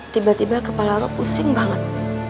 tiba tiba kepala lo pusing banget